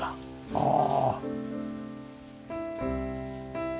ああ。